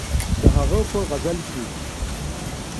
د هغه په غزل کښې